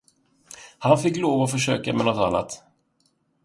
Han fick lov att försöka med något annat.